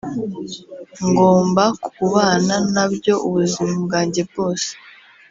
ngomba kubana nabyo ubuzima bwanjye bwose